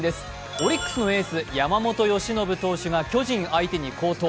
オリックスのエース、山本由伸投手が巨人相手に好投。